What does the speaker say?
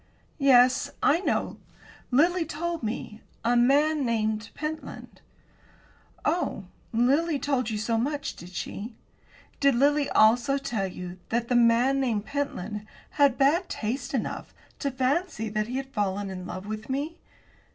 "Yes, I know; Lily told me a man named Pentland." "Oh, Lily told you so much, did she? Did Lily also tell you that the man named Pentland had bad taste enough to fancy that he had fallen in love with me?"